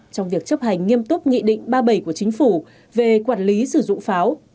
trong việc chấp hành nghiêm túc nghị định ba mươi bảy của chính phủ về quản lý sử dụng pháo